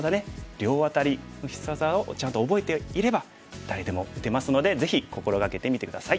両アタリの必殺技をちゃんと覚えていれば誰でも打てますのでぜひ心掛けてみて下さい。